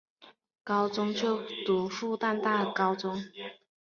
高中就读复旦高中。